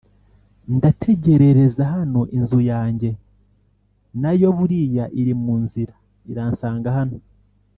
ndategerereza hano inzu yanjye nayo buriya iri mu nzira iransanga hano.